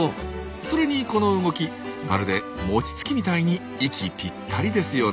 それにこの動きまるで餅つきみたいに息ピッタリですよね。